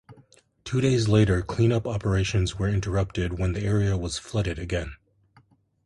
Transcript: Two days later cleanup operations were interrupted when the area was flooded again.